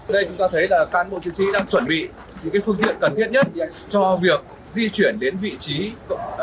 đây chúng ta thấy là cán bộ chiến sĩ đang chuẩn bị những phương tiện cần thiết nhất cho việc di chuyển đến vị trí thực hiện nhiệm vụ mới